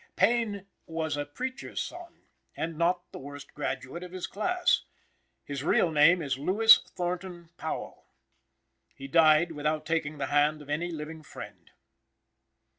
Payne was a preacher's son, and not the worst graduate of his class. His real name is Lewis Thornton Powell. He died without taking the hand of any living friend.